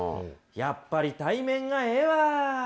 やっぱり対面がええわ。